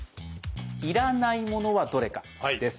「要らないものはどれか」です。